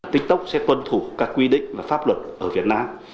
tiktok sẽ tuân thủ các quy định và pháp luật ở việt nam